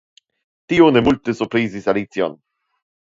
Tio ne multe surprizis Alicion.